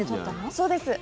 そうです。